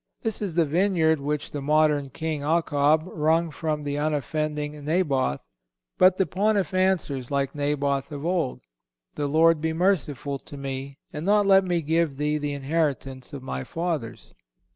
This is the vineyard which the modern King Achab wrung from the unoffending Naboth. But the Pontiff answers, like Naboth of old: "The Lord be merciful to me, and not let me give thee the inheritance of my fathers."